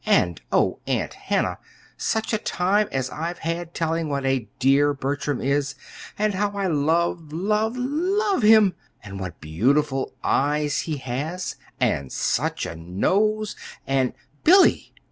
And, oh, Aunt Hannah, such a time as I've had, telling what a dear Bertram is, and how I love, love, love him, and what beautiful eyes he has, and such a nose, and " "Billy!"